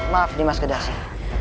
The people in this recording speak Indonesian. maaf mas kedasi